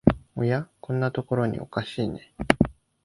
おや、こんなとこにおかしいね